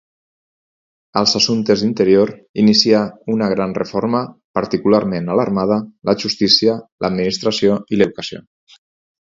Als assumptes d'interior, inicià una gran reforma, particularment a l'armada, la justícia, l'administració i l'educació.